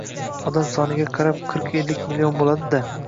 -Odam soniga qarab qirq-ellik million bo`ladi-da